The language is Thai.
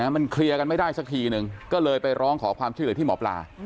มันเคลียร์กันไม่ได้สักทีนึงก็เลยไปร้องขอความช่วยเหลือที่หมอปลา